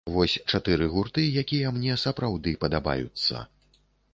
Вось чатыры гурты, якія мне сапраўды падабаюцца.